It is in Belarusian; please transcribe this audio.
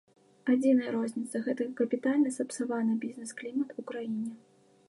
Адзіная розніца, гэта капітальна сапсаваны бізнес-клімат у краіне.